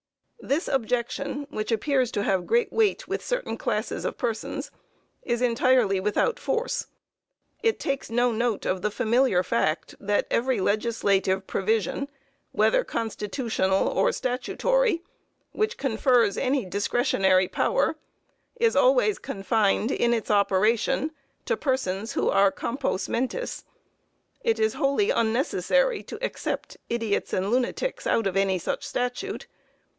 This objection, which appears to have great weight with certain classes of persons, is entirely without force. It takes no note of the familiar fact, that every legislative provision, whether constitutional or statutory, which confers any discretionary power, is always confined in its operation to persons who are compos mentis. It is wholly unnecessary to except idiots and lunatics out of any such statute.